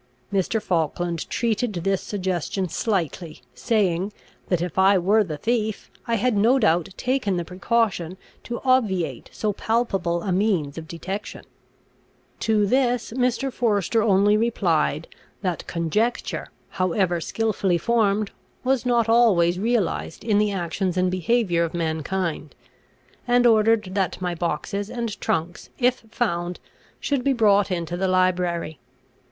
Mr. Falkland treated this suggestion slightly, saying, that if I were the thief, I had no doubt taken the precaution to obviate so palpable a means of detection. To this Mr. Forester only replied, that conjecture, however skilfully formed, was not always realised in the actions and behaviour of mankind; and ordered that my boxes and trunks, if found, should be brought into the library.